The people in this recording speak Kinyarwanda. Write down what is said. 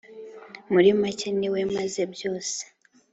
muri make: «Ni we maze byose».